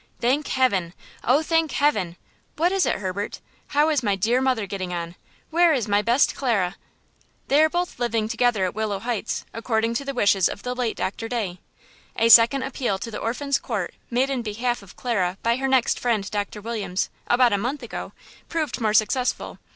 "Thank heaven! oh, thank heaven! What is it, Herbert? How is my dear mother getting on? Where is my best Clara?" "They are both living together at Willow Heights, according to the wishes of the late Doctor Day. A second appeal to the Orphans' Court made in behalf of Clara by her next friend, Doctor Williams, about a month ago, proved more successful.